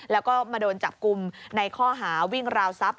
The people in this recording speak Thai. แล้วก็มาโดนจับกลุ่มในข้อหาวิ่งราวทรัพย